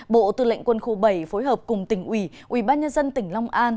bộ tư lệnh quân khu bảy phối hợp cùng tỉnh ủy ủy ban nhân dân tỉnh long an